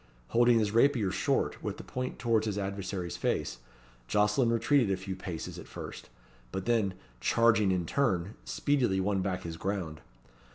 Holding his rapier short, with the point towards his adversary's face, Jocelyn retreated a few paces at first, but then, charging in turn, speedily won back his ground.